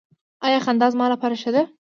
ایا خندا زما لپاره ښه ده؟